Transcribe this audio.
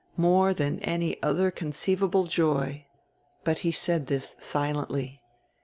More than any other conceivable joy. But he said this silently.